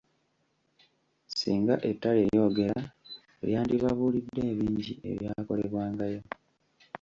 Ssinga ettale lyogera lyandibabuulidde ebingi ebyakolebwangayo.